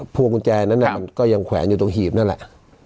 พวกกุญแจนั้นมันก็ยังแขวนอยู่ตรงหีบนั่นแหละ